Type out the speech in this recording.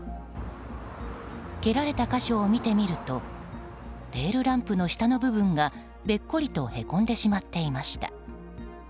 蹴られた箇所を見てみるとテールランプの下の部分がべっこりとへこんでしまっていました。